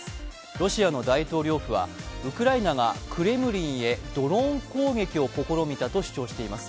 ロシアの大統領府はウクライナがクレムリンへドローン攻撃を試みたと主張しています。